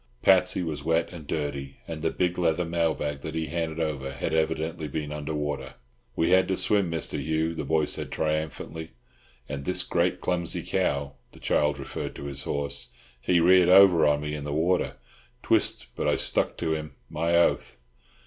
Patsy was wet and dirty, and the big leather mail bag that he handed over had evidently been under water. "We had to swim, Mr. Hugh," the boy said triumphantly, "and this great, clumsy cow" (the child referred to his horse), "he reared over on me in the water, twyst, but I stuck to him. My oath!"